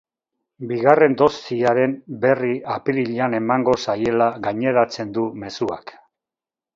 Bigarren dosiaren berri apirilean emango zaiela gaineratzen du mezuak.